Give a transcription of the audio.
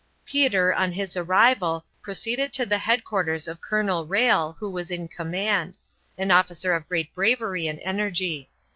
Peter, on his arrival, proceeded to the headquarters of Colonel Rhalle, who was in command an officer of great bravery and energy.